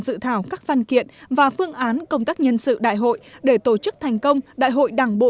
dự thảo các văn kiện và phương án công tác nhân sự đại hội để tổ chức thành công đại hội đảng bộ